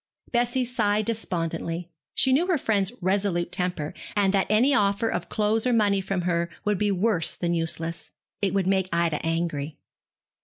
Bessie sighed despondently. She knew her friend's resolute temper, and that any offer of clothes or money from her would be worse than useless. It would make Ida angry.